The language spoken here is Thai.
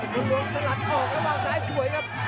คนหลวงสนัดออกแล้ววางซ้ายสวยครับ